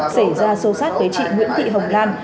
xảy ra sâu sát với chị nguyễn thị hồng lan